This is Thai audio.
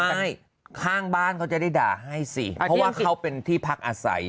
ใช่ข้างบ้านเขาจะได้ด่าให้สิเพราะว่าเขาเป็นที่พักอาศัย